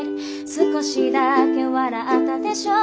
「少しだけ笑ったでしょ？